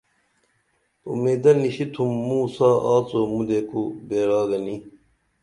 اُمیدہ نِشی تُھوم موں سا آڅو مُدے کُو بیرا گنی